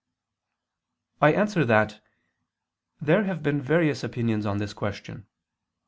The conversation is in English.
I answer that, There have been various opinions on this question.